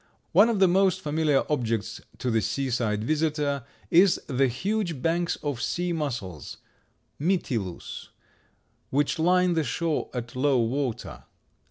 One of the most familiar objects to the seaside visitor is the huge banks of sea mussels (Mytilus) which line the shore at low water.